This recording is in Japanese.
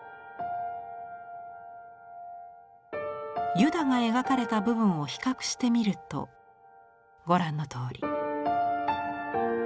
ユダが描かれた部分を比較してみるとご覧のとおり。